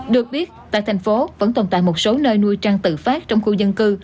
được biết tại thành phố vẫn tồn tại một số nơi nuôi trang tự phát trong khu dân cư